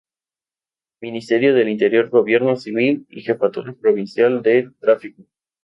Ministerio del Interior: Gobierno Civil y Jefatura Provincial de Tráfico.